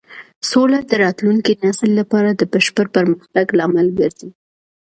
سوله د راتلونکي نسل لپاره د بشپړ پرمختګ لامل ګرځي.